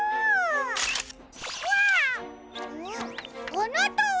あなたは！